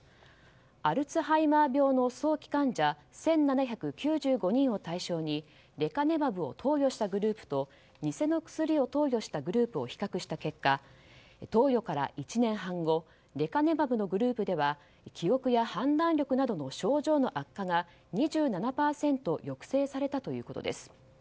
アルツハイマー病の早期患者１７９５人を対象にレカネマブを投与したグループと偽の薬を投与したグループを比較した結果投与から１年半後レカネマブのグループでは記憶や判断力などの症状の悪化が２７％抑制されたということです。